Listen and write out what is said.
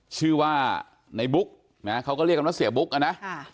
ชื่อว่าในบุคล์เขาก็เรียกหรอเซี่ยบุคล์อันคะ